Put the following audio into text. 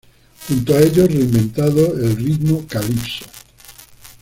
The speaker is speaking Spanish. Junto a ellos, reinventado el ritmo "calypso".